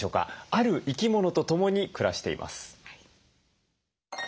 ある生き物と共に暮らしています。